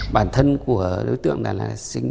bản thân của đối tượng là